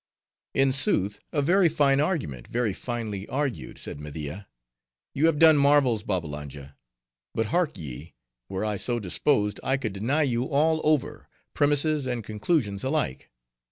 "In sooth, a very fine argument very finely argued," said Media. "You have done marvels, Babbalanja. But hark ye, were I so disposed, I could deny you all over, premises and conclusions alike.